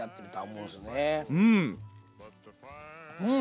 うん！